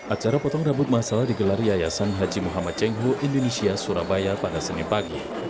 acara potong rambut masal digelar yayasan haji muhammad cengho indonesia surabaya pada senin pagi